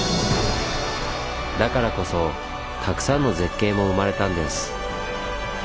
だからこそたくさんの絶景も生まれたんです。